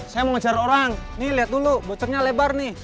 saya mau ngejar orang nih liat dulu bocoknya lebar nih